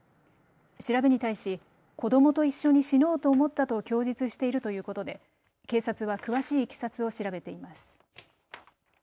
調べに対し子どもと一緒に死のうと思ったと供述しているということで警察は詳しいいきさつを調べています。